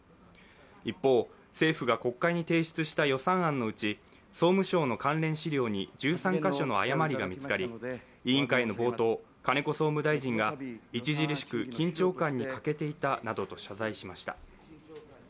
一方、政府が国会に提出した予算案のうち総務省の関連資料に１３カ所の誤りが見つかり委員会の冒頭、金子総務大臣が著しく緊張感に欠けていたなどと謝罪しました。